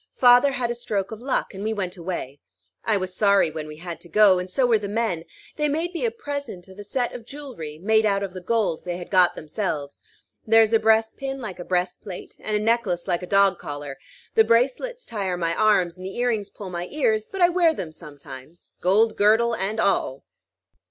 Father had a stroke of luck, and we went away. I was sorry when we had to go, and so were the men. They made me a present of a set of jewelry made out of the gold they had got themselves. There is a breastpin like a breastplate, and a necklace like a dog collar: the bracelets tire my arms, and the ear rings pull my ears; but I wear them sometimes gold girdle and all."